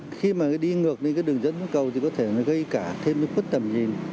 khi mà đi ngược lên cái đường dẫn cầu thì có thể nó gây cả thêm cái khuất tầm nhìn